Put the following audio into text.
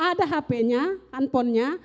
ada hapenya hanfonnya